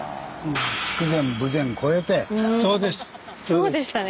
そうでしたね